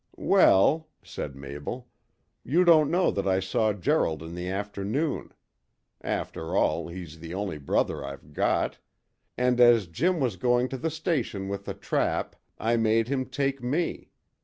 "Well," said Mabel, "you don't know that I saw Gerald in the afternoon. After all, he's the only brother I've got; and as Jim was going to the station with the trap I made him take me.